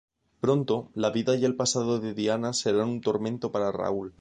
Pronto, la vida y el pasado de Diana serán un tormento para Raúl.